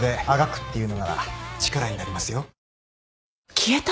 ⁉消えた？